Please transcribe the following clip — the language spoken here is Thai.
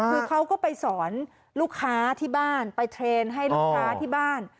คือเขาก็ไปสอนลูกค้าที่บ้านไปเทรนด์ให้ลูกค้าที่บ้าน